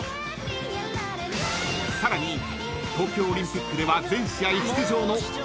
［さらに東京オリンピックでは全試合出場の］